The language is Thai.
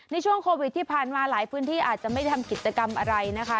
ในช่วงโควิดที่ผ่านมาหลายพื้นที่อาจจะไม่ได้ทำกิจกรรมอะไรนะคะ